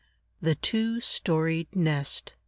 THE TWO STORIED NEST.